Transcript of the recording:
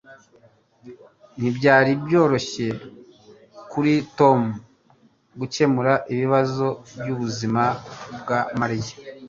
Ntibyari byoroshye kuri Tom gukemura ibibazo byubuzima bwa Mariya.